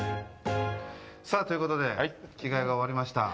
さあ、ということで着がえが終わりました。